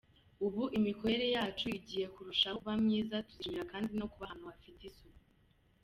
Ubu imikorere yacu igiye kurushaho kuba myiza, tuzishima kandi no kuba ahntu hafite isuku.